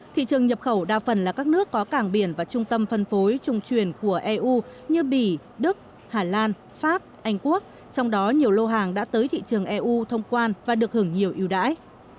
thị trường nhập khẩu đa phần là các nước có cảng biển và trung tâm phân phối trung truyền của eu như bỉ đức hà lan pháp anh quốc trong đó nhiều lô hàng đã tới thị trường eu thông quan và được hưởng nhiều yêu đãi